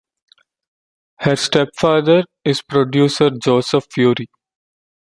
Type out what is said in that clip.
Her stepfather is producer Joseph Feury.